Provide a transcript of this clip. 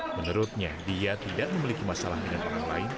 menurutnya dia tidak memiliki masalah dengan orang lain